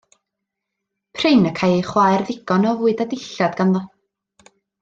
Prin y cai ei chwaer ddigon o fwyd a dillad ganddo.